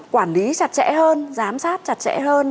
quản lý chặt chẽ hơn giám sát chặt chẽ hơn